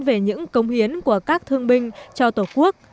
về những công hiến của các thương binh cho tổ quốc